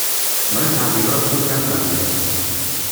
من تقریبا خوب نفهمیدم.